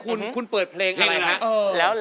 เฮ้ยอย่าลืมฟังเพลงผมอาจารย์นะ